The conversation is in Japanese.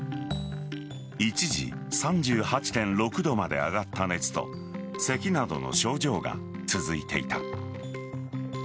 一時３８．６度まで上がった熱とせきなどの症状が続いていた。